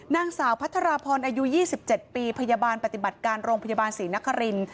นางสาวพัทรพรอายุ๒๗ปีพยาบาลปฏิบัติการโรงพยาบาลศรีนครินทร์